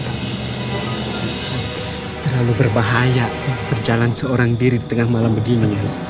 terlalu berbahaya berjalan seorang diri di tengah malam begini